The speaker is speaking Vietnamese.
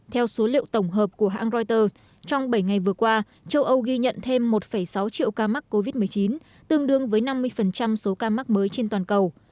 theo số liệu tổng hợp của hãng reuters trong bảy ngày vừa qua châu âu ghi nhận thêm một sáu triệu ca mắc covid một mươi chín tương đương với năm mươi số ca mắc mới trên toàn cầu